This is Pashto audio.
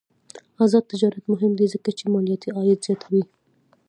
آزاد تجارت مهم دی ځکه چې مالیاتي عاید زیاتوي.